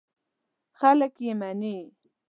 خلک یې مني.